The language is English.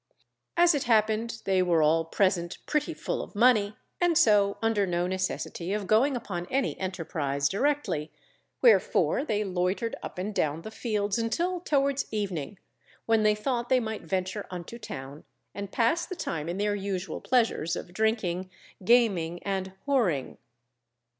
As it happened they were all present pretty full of money, and so under no necessity of going upon any enterprise directly, wherefore they loitered up and down the fields until towards evening, when they thought they might venture unto town, and pass the time in their usual pleasures of drinking, gaming, and whoring.